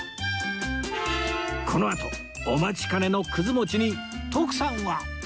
このあとお待ちかねのくず餅に徳さんは